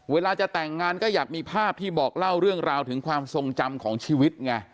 เวลาจะแต่งงานก็อยากมีภาพที่บอกเล่าเรื่องราวถึงความทรงจำของชีวิตไง